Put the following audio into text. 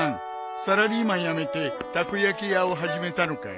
サラリーマン辞めてたこ焼き屋を始めたのかい？